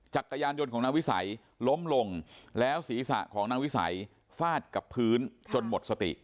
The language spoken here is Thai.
จักรยานยนต์ของนางวิสัยล้มลงแล้วศีรษะของนางวิสัยฟาดกับพื้นจนหมดสติ